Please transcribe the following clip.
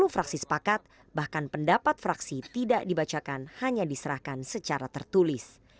sepuluh fraksi sepakat bahkan pendapat fraksi tidak dibacakan hanya diserahkan secara tertulis